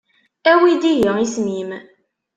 Awi-d ihi isem-im.